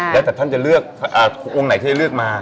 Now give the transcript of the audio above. แล้วแต่ท่านจะเลือกองค์ไหนที่จะเลือกมา